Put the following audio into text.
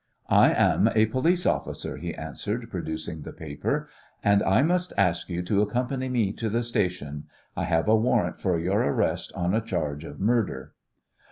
"I am a police officer," he answered, producing the paper, "and I must ask you to accompany me to the station. I have a warrant for your arrest on a charge of murder."